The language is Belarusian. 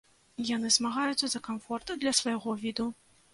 Яны змагаюцца за камфорт для свайго віду.